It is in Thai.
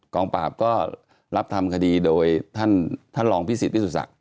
งปราบก็รับทำคดีโดยท่านรองพิสิทธพิสุทศักดิ